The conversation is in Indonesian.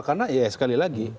karena sekali lagi